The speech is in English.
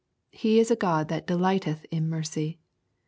He is a God that "delighteth in mercy."